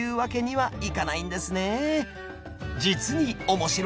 はい。